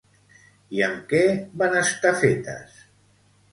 I amb què van estar fetes?